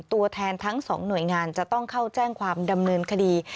ตัวแทนทั้งสองหน่วยงานจะต้องเข้าแจ้งความดำเนินคดี